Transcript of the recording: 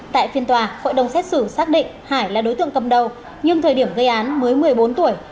tại phiên tòa hội đồng xét xử xác định hải là đối tượng cầm đầu nhưng thời điểm gây án mới một mươi bốn tuổi